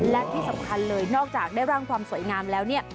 และที่สำคัญเลยนอกจากได้ร่างความสวยงามแล้วเนี่ย